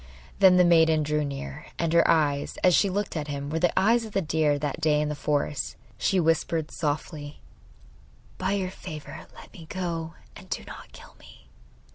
Then the maiden drew near, and her eyes, as she looked at him, were the eyes of the deer that day in the forest. She whispered softly: 'By your favour let me go, and do not kill me.